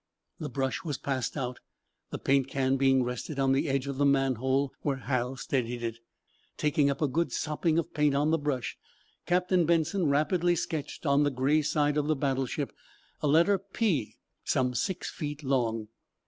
The brush was passed out, the paint can being rested on the edge of the manhole, where Hal steadied it. Taking up a good sopping of paint on the brush, Captain Benson rapidly sketched, on the gray side of the battleship a letter "P" some six feet long.